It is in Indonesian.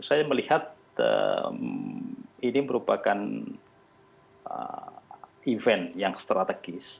saya melihat ini merupakan event yang strategis